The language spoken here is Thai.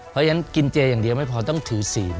เพราะฉะนั้นกินเจอย่างเดียวไม่พอต้องถือศีล